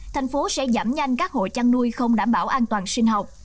thành phố sẽ giảm nhanh các hộ chăn nuôi không đảm bảo an toàn sinh học